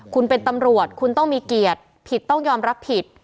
คุณเป็นตำรวจคุณต้องมีเกียรติผิดต้องยอมรับผิด